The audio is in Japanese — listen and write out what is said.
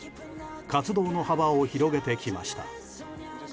活動の幅を広げてきました。